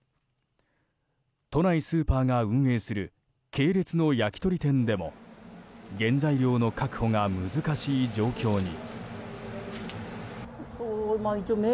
都内スーパーが運営する系列の焼き鳥店でも原材料の確保が難しい状況に。